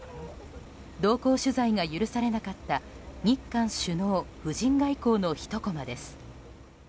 同行取材が許されなかった日韓首脳夫人外交のひとこまです。